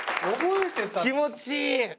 気持ちいい！